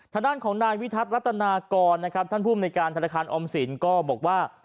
ทางด้านของนายวิทัศนรัตนากรนะครับท่านภูมิในการธนาคารออมสินก็บอกว่า